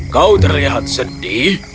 kau terlihat sedih